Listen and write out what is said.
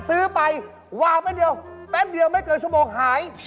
ซื้อไปวางแป๊บเดียวแป๊บเดียวไม่เกินชั่วโมงหาย